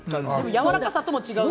やわらかさとも違う。